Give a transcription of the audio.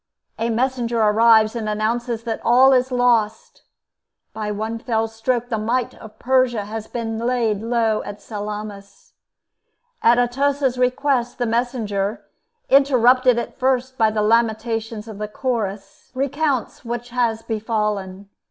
A messenger arrives and announces that all is lost. By one fell stroke the might of Persia has been laid low at Salamis. At Atossa's request, the messenger, interrupted at first by the lamentations of the Chorus, recounts what has befallen.